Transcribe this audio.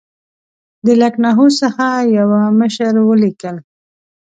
د لکنهو څخه یوه مشر ولیکل.